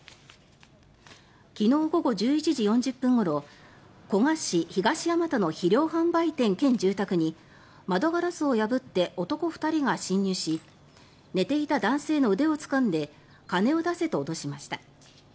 昨日午後１１時４０分ごろ古河市東山田の肥料販売店兼住宅に窓ガラスを破って男２人が侵入し寝ていた男性の腕をつかんで金を出せと脅しました。